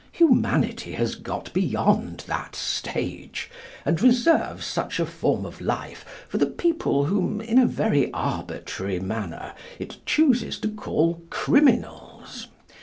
Humanity has got beyond that stage, and reserves such a form of life for the people whom, in a very arbitrary manner, it chooses to call criminals.